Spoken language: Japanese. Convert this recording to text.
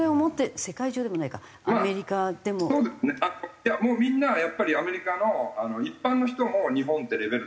いやもうみんなやっぱりアメリカの一般の人も日本ってレベル高いな。